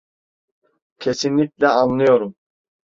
Kesinlikle anlıyorum.